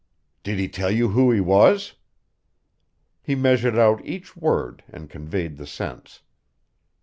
"Did he tell you who he was?" He measured out each word and conveyed the sense.